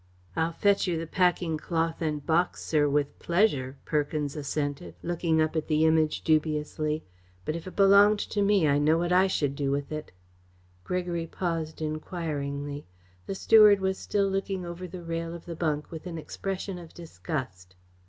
"I'll fetch you the packing cloth and box, sir, with pleasure," Perkins assented, looking up at the Image dubiously, "but if it belonged to me I know what I should do with it." Gregory paused enquiringly. The steward was still looking over the rail of the bunk with an expression of disgust.